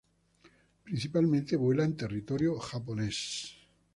Principalmente vuela en territorio Japones.